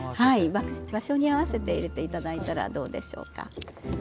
場所に合わせていただいたらどうでしょうか。